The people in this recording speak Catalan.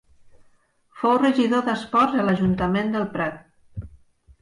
Fou regidor d'esports a l'Ajuntament del Prat.